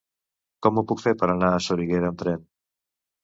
Com ho puc fer per anar a Soriguera amb tren?